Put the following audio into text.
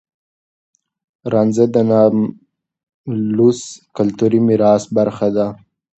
رانجه د ناملموس کلتوري ميراث برخه ده.